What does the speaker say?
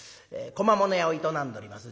小間物屋を営んでおります